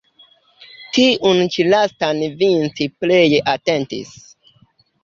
Tiun ĉi lastan Vinci pleje atentis.